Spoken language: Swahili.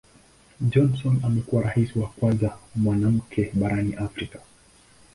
Johnson amekuwa Rais wa kwanza mwanamke barani Afrika.